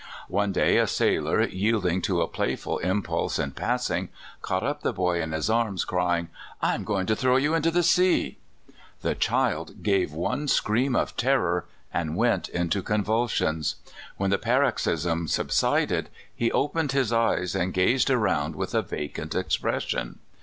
One day a sailor, yielding to a playful impulse in passing, caught up the boy in his arms, crying: ' I am going to throw you into the sea !'*' The child gave one scream of terror, and went into convulsions. When the paroxysm subsided, he opened his eyes and gazed around with a va cant expression.